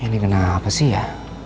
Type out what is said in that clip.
ini kenapa sih ya